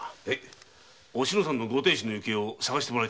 おしのさんのご亭主の行方を捜してもらいたいんだ。